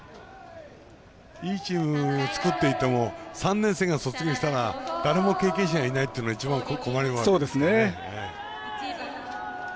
いいチーム作っていっても３年生が卒業したら誰も経験者がいないっていうのが一番、困るわけですからね。